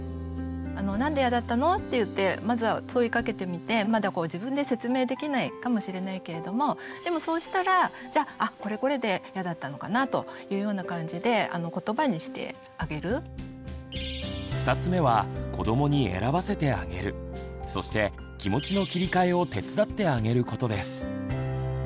「何でイヤだったの？」って言ってまずは問いかけてみてまだ自分で説明できないかもしれないけれどもでもそうしたら「じゃあこれこれでイヤだったのかな」というような感じで２つ目は子どもに選ばせてあげるそして気持ちの切り替えを手伝ってあげることです。